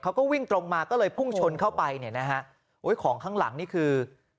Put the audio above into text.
เขาก็วิ่งตรงมาก็เลยพุ่งชนเข้าไปเนี่ยนะฮะโอ้ยของข้างหลังนี่คือ